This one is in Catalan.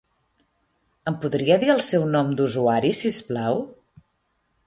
Em podria dir el seu nom d'usuari si us plau?